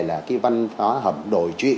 là cái văn hóa hầm đồi trị